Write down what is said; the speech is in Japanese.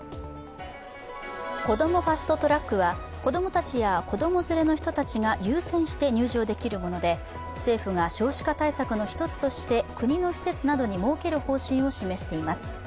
こどもファスト・トラックは、子供たちや子供連れの人たちが優先して入場できるもので、政府が少子化対策の一つとして国の施設などに設ける方針を示しています。